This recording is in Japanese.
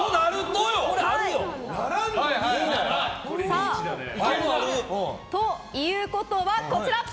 あるよ！ということはこちら！